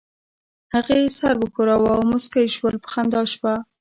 هغې سر وښوراوه او موسکۍ شول، په خندا شوه.